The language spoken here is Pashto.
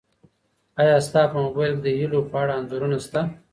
ایا ستا په موبایل کي د هیلو په اړه انځورونه سته؟